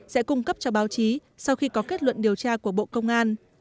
sẽ cung cấp cho báo chí sau khi có kết luận điều tra của bộ công an